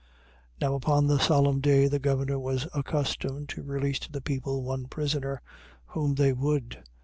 27:15. Now upon the solemn day the governor was accustomed to release to the people one prisoner, whom they would.